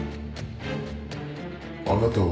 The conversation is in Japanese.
あなたは？